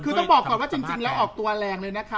คือต้องบอกก่อนว่าจริงแล้วออกตัวแรงเลยนะคะ